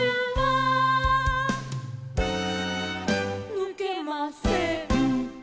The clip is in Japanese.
「ぬけません」